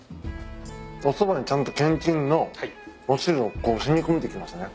おそばにちゃんとけんちんのお汁が染み込んできますね。